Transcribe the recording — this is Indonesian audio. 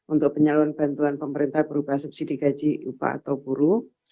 untuk penyaluran bantuan pemerintah berupa subsidi gaji upah atau buruh